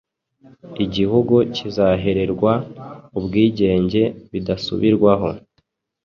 igihugu kizahererwa ubwigenge.bidasubirwaho